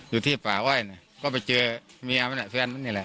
อยู่ที่ป่าอ้อยเนี่ยก็ไปเจอเมียมันเนี่ยแฟนมันเนี่ยแหละ